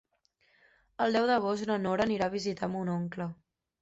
El deu d'agost na Nora anirà a visitar mon oncle.